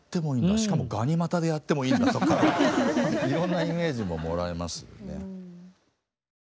しかもがに股でやってもいいんだ」とかいろんなイメージももらえますよね。